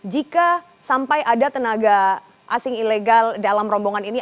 jika sampai ada tenaga asing ilegal dalam rombongan ini